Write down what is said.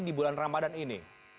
di bulan ramadhan ini